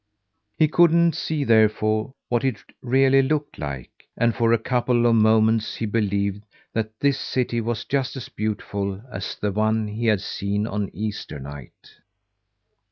He couldn't see therefore what it really looked like, and for a couple of moments he believed that this city was just as beautiful as the one he had seen on Easter night.